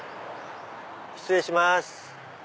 失礼します。